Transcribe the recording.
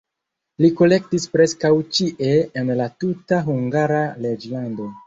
Li kolektis preskaŭ ĉie en la tuta Hungara reĝlando.